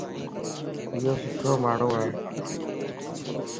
ايو سٺو ماڻھو ا